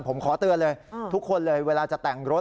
ผมขอเตือนเลยทุกคนเลยเวลาจะแต่งรถ